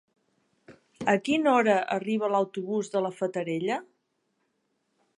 A quina hora arriba l'autobús de la Fatarella?